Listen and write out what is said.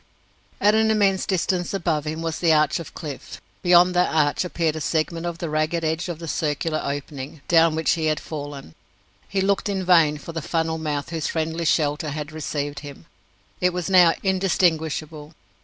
At an immense distance above him was the arch of cliff. Beyond that arch appeared a segment of the ragged edge of the circular opening, down which he had fallen. He looked in vain for the funnel mouth whose friendly shelter had received him. It was now indistinguishable.